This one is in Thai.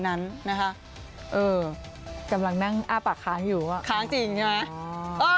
นั้นนะคะเออกำลังนั่งอ้าปากค้างอยู่อ่ะค้างจริงใช่ไหม